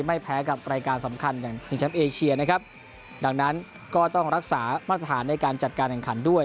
ไม่แพ้กับรายการสำคัญอย่างชิงแชมป์เอเชียนะครับดังนั้นก็ต้องรักษามาตรฐานในการจัดการแข่งขันด้วย